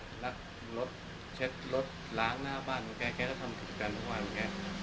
แกลักรถเช็ดรถล้างหน้าบ้านแกแกก็ทำกิจการทุกวันแก